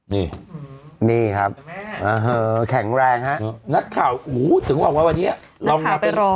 นี่ครับแข็งแรงฮะนัดข่าวถึงว่าวันนี้นัดข่าวไปรอ